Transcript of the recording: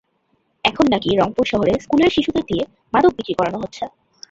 এখন নাকি রংপুর শহরে স্কুলের শিশুদের দিয়ে মাদক বিক্রি করানো হচ্ছে।